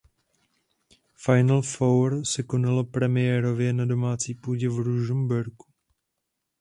Final Four se konalo premiérově na domácí půdě v Ružomberku.